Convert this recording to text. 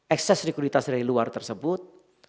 excess rekrutitas dari luar tersebut